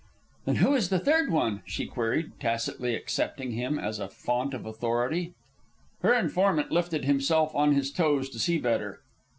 "Then who is the third one?" she queried, tacitly accepting him as a fount of authority. Her informant lifted himself on his toes to see better.